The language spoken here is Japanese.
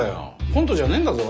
コントじゃねえんだぞ？